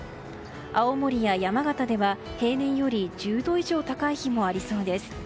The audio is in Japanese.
青森や山形では平年より１０度以上高い日もありそうです。